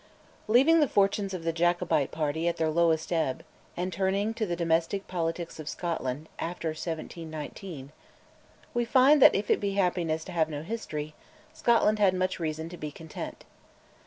Leaving the fortunes of the Jacobite party at their lowest ebb, and turning to the domestic politics of Scotland, after 1719, we find that if it be happiness to have no history, Scotland had much reason to be content.